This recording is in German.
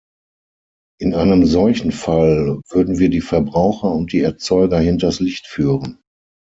In einem solchen Fall würden wir die Verbraucher und die Erzeuger hinters Licht führen.